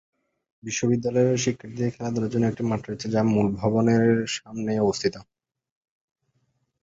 বিদ্যালয়ের শিক্ষার্থীদের খেলাধুলার জন্য একটি মাঠ রয়েছে, যা মূল ভবনের সামনেই অবস্থিত।